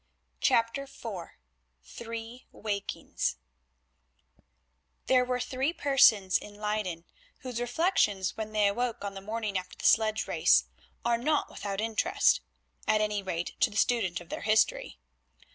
CHAPTER IV THREE WAKINGS There were three persons in Leyden whose reflections when they awoke on the morning after the sledge race are not without interest, at any rate to the student of their history.